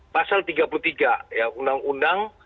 pasal tiga puluh tiga ya undang undang